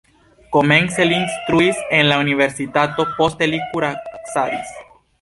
Komence li instruis en la universitato, poste li kuracadis.